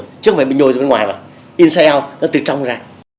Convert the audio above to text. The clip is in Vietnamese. chứ không phải nhồi ra bên ngoài vào inside out nó từ trong ra